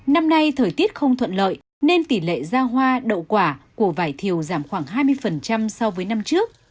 năm nay thời tiết không thuận lợi nên tỷ lệ ra hoa đậu quả của vải thiều giảm khoảng hai mươi so với năm trước